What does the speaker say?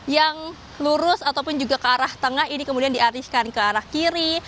yang lurus ataupun juga ke arah tengah ini kemudian dialihkan ke arah kiri